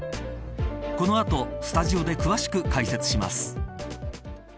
この後スタジオで詳しく解説します。